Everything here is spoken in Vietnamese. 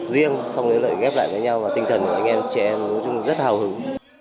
riêng xong lại ghép lại với nhau và tinh thần của anh em trẻ em nói chung rất hào hứng